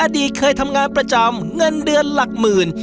อดีตเคยทำงานประจำเงินเดือนหลักหมื่น